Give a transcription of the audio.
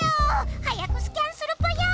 早くスキャンするぽよ！